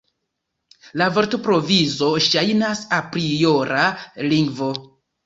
La vortprovizo ŝajnas apriora lingvo.